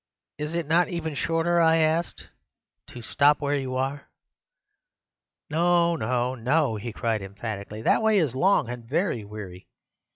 "'Is it not even shorter,' I asked, 'to stop where you are?' "'No, no, no!' he cried emphatically. 'That way is long and very weary.